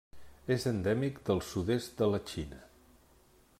És endèmic del sud-oest de la Xina.